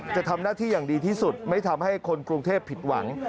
จะทำหน้าที่อย่างดีที่สุดไม่ทำให้คนกรุงเทพผิดหวัง